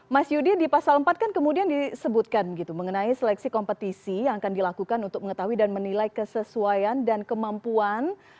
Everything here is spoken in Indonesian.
mas yudi di pasal empat kan kemudian disebutkan gitu mengenai seleksi kompetisi yang akan dilakukan untuk mengetahui dan menilai kesesuaian dan kemampuan